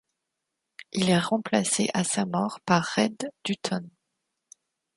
Il est remplacé à sa mort par Red Dutton.